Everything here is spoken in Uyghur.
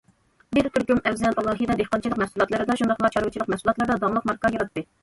بىر تۈركۈم ئەۋزەل، ئالاھىدە دېھقانچىلىق مەھسۇلاتلىرىدا شۇنداقلا چارۋىچىلىق مەھسۇلاتلىرىدا داڭلىق ماركا ياراتتى.